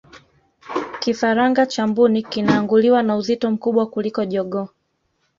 kifaranga cha mbuni kinaanguliwa na uzito mkubwa kuliko jogoo